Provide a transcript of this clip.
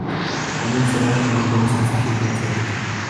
En une semaine, l'album est certifié platine.